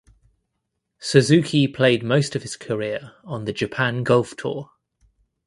Suzuki played most of his career on the Japan Golf Tour.